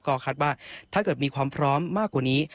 ก็คาดว่าถ้าเกิดมีความพร้อมมากกว่านี้